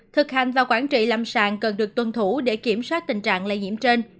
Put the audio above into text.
thực hành và quản trị lâm sàng cần được tuân thủ để kiểm soát tình trạng lây nhiễm trên